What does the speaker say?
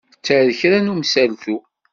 Tter kra n umsaltu.